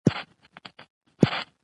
ښوونه او روزنه د يو ټولنی اينده جوړوي .